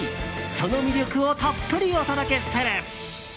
その魅力をたっぷりお届けする。